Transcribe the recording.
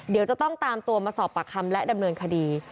เดี๋ยวจะต้องตามตัวมาสอบปากคำและดำเนินคดี